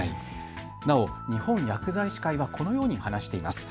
なお日本薬剤師会はこのように話しています。